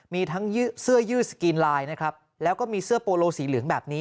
มีทั้งเสื้อยืดสกรีนไลน์นะครับแล้วก็มีเสื้อโปโลสีเหลืองแบบนี้